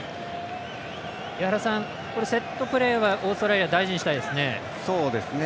セットプレーはオーストラリア大事にしたいですね。